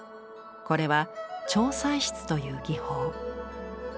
これは彫彩漆という技法。